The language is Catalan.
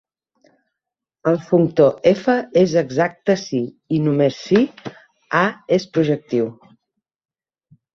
El functor "F" és exacte si i només si "A" és projectiu.